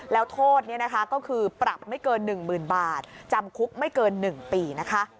แล้วโทษนี้นะคะก็คือปรับไม่เกิน๑๐๐๐บาทจำคุกไม่เกิน๑ปีนะคะ